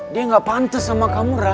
dia gak pantes sama kamu ra